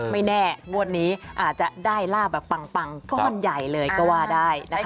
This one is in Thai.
ไม่แน่งวดนี้อาจจะได้ลาบแบบปังก้อนใหญ่เลยก็ว่าได้นะคะ